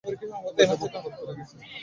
তোমার জামাকাপড় পুড়ে গেছে।